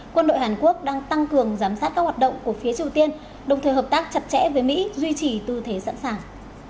quân đội hàn quốc đang tăng cường giám sát các hoạt động của phía triều tiên đồng thời hợp tác chặt chẽ với mỹ duy trì tư thế sẵn sàng